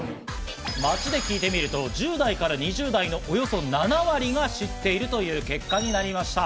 街で聞いてみると、１０代から２０代のおよそ７割が知っているという結果になりました。